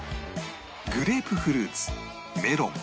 グレープフルーツメロン